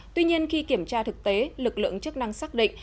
tuy nhiên khi kiểm tra thực tế lực lượng chức năng xác định